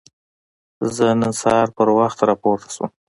زه نن سهار په وخت راپورته شوم.